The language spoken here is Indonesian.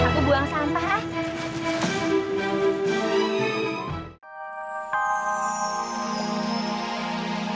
yaudah pokoknya kamu jangan kemana mana sampai aku balik sini